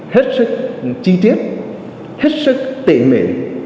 hết sức chi tiết hết sức tỉ mỉ